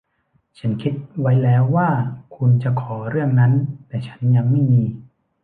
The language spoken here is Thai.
ฉันคิดไว้แล้วว่าคุณจะขอเรื่องนั้น แต่ฉันยังไม่มี